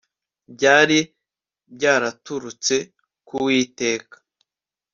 byari byaraturutse ku uwiteka